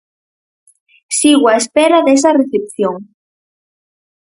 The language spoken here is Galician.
Sigo á espera desa recepción.